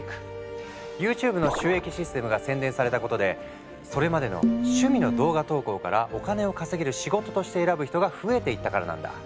ＹｏｕＴｕｂｅの収益システムが宣伝されたことでそれまでの趣味の動画投稿からお金を稼げる仕事として選ぶ人が増えていったからなんだ。